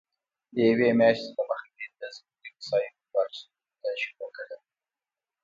له یوې میاشتې دمخه مې د ضروري وسایلو اخیستلو ته شروع کړې وه.